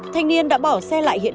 thanh niên đã bỏ xe lại ghiền